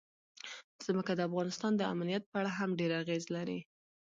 ځمکه د افغانستان د امنیت په اړه هم ډېر اغېز لري.